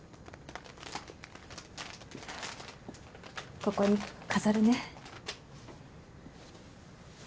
ここに飾るね。